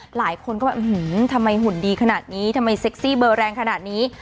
หลายคนก็แบบทำไมหุ่นดีขนาดนี้ทำไมเซ็กซี่เบอร์แรงขนาดนี้